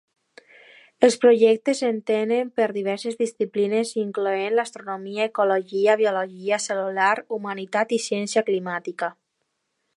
Els projectes s'estenen per diverses disciplines incloent astronomia, ecologia, biologia cel·lular, humanitat, i ciència climàtica.